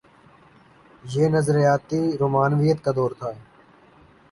یہ نظریاتی رومانویت کا دور تھا۔